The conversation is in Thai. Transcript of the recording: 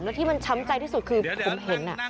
แล้วที่มันช้ำใจที่สุดคือผมเห็น